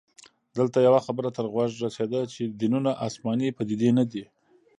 دلته يوه خبره تر غوږه رسیده چې دینونه اسماني پديدې نه دي